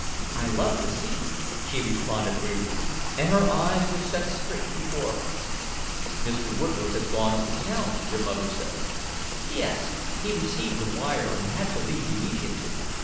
"I love the sea," she responded briefly, and her eyes were set straight before her. "Mr. Woodroffe has gone up to town, your mother says." "Yes. He received a wire, and had to leave immediately.